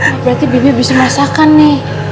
berarti bibi bisa merasakan nih